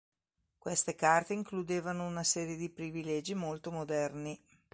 Queste carte includevano una serie di privilegi molto moderni.